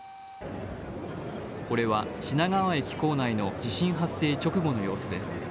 これは品川駅構内の地震発生直後の様子です。